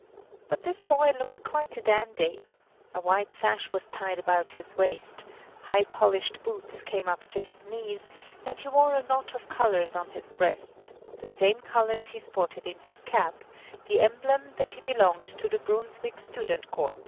But this boy looked quite a dandy. A wide sash was tied about his waist, high polished boots came up to his knees, and he wore a knot of colors on his breast, the same colors he sported in his cap, the emblem that he belonged to the Brunswick student corps.